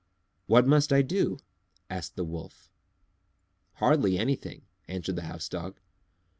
"What must I do?" asked the Wolf. "Hardly anything," answered the House Dog.